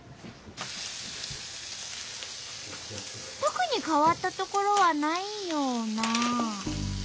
特に変わったところはないような。